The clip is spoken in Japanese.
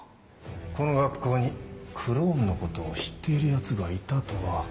この学校にクローンのことを知っているヤツがいたとは。